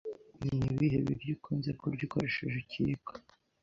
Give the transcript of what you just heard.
Ni ibihe biryo ukunze kurya ukoresheje ikiyiko?